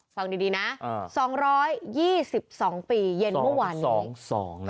ฟังดีนะสองร้อยยี่สิบสองปีเย็นเมื่อวานเห็นไหมสองสองสอง